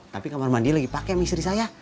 tapi kamar mandi lagi pake misri saya